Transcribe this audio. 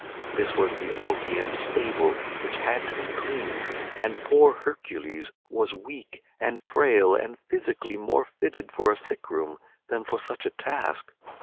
This was the Augean stable which had to be cleaned, and poor Hercules was weak and frail and physically more fitted for a sick room than for such a task.